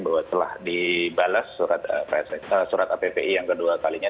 bahwa telah dibalas surat appi yang kedua kalinya